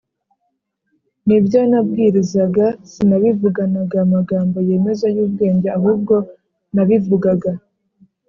n ibyo nabwirizaga sinabivuganaga amagambo yemeza y ubwenge ahubwo nabivugaga